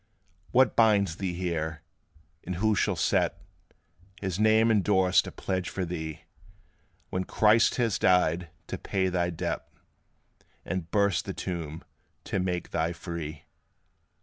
What binds thee here? or who shall set His name endorsed a pledge for thee, When Christ has died to pay thy debt, And burst the tomb to make thee free?